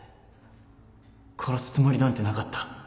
殺すつもりなんてなかった